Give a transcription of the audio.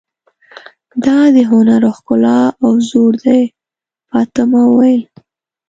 دا د هنر ښکلا او زور دی، فاطمه وویل.